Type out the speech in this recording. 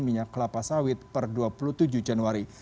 minyak kelapa sawit per dua puluh tujuh januari